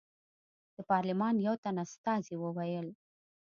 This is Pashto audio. د پارلمان یو تن استازي وویل.